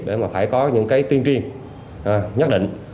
để mà phải có những cái tuyên truyền nhất định